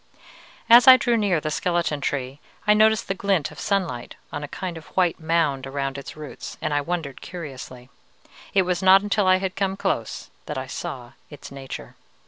"As I drew near the skeleton tree, I noticed the glint of sunlight on a kind of white mound around its roots, and I wondered curiously. It was not until I had come close that I saw its nature.